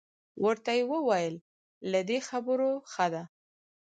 ورته یې وویل له دې خبرو ښه ده.